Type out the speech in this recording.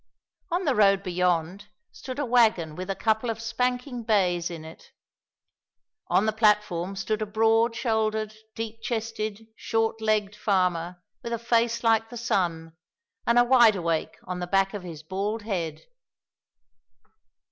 On the road beyond stood a wagon with a couple of spanking bays in it. On the platform stood a broad shouldered, deep chested, short legged farmer with a face like the sun, and a wide awake on the back of his bald head.